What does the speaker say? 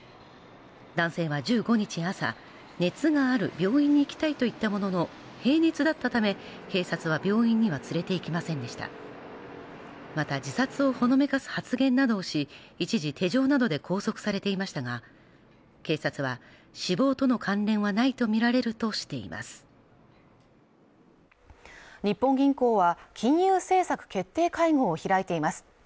男性は１５日朝熱がある病院に行きたいと言ったものの平熱だったため警察は病院には連れて行きませんでしたまた自殺をほのめかす発言などし一時手錠などで拘束されていましたが警察は死亡との関連はないとみられるとしています日本銀行は金融政策決定会合を開いています